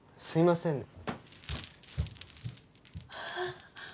すいません。